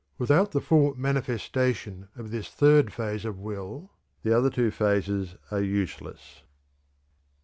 Without the full manifestation of this third phase of will the other two phases are useless.